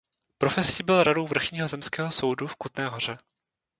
Profesí byl radou vrchního zemského soudu v Kutné Hoře.